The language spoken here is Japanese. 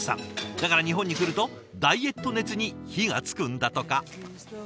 だから日本に来るとダイエット熱に火がつくんだとか。